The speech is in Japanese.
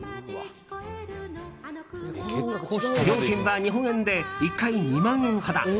料金は、日本円で１回２万円ほど。